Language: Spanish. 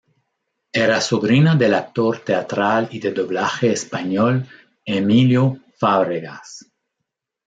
Era sobrina del actor teatral y de doblaje español Emilio Fábregas.